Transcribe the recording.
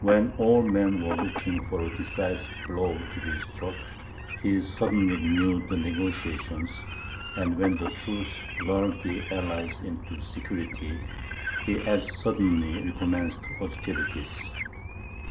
When all men were looking for a decisive blow to be struck, he suddenly renewed the negociations; and when the truce lulled the allies into security, he as suddenly recommenced hostilities.